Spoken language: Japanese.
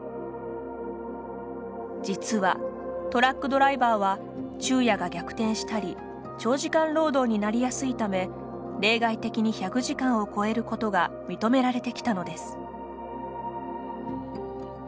実はトラックドライバーは昼夜が逆転したり長時間労働になりやすいため例外的に１００時間を超えることが認められてきたのです。